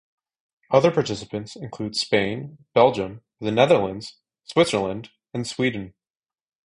Other participants include Spain, Belgium, the Netherlands, Switzerland and Sweden.